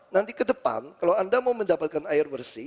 nanti ke depan kalau anda mau mendapatkan air bersih